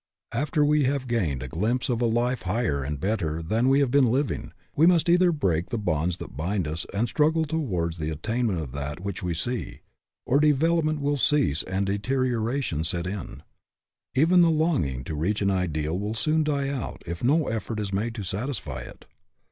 After we have gained a glimpse of a life higher and better than we FREEDOM AT ANY COST 51 have been living, we must either (break the bonds that bind us and struggle towards the attainment of that which we see, or develop ment will cease and deterioration set in. Even the longing to reach an ideal will soon die out if no effort is made to satisfy it.